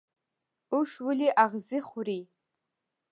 اوښ ولې اغزي خوري؟